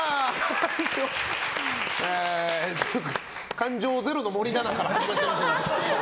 感情ゼロの森七菜から始まっちゃいましたけど。